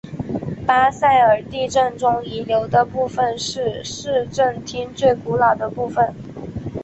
巴塞尔地震中遗留的部分是市政厅最古老的部分。